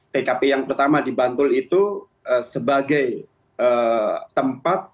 tkp yang pertama di bantul itu sebagai tempat